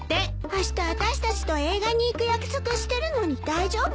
あしたあたしたちと映画に行く約束してるのに大丈夫かな。